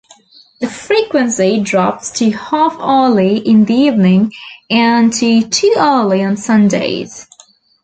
The frequency drops to half-hourly in the evening and to two-hourly on Sundays.